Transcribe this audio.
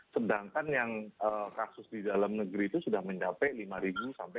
sedangkan yang kasus di dalam negeri itu sudah mendapati lima sampai enam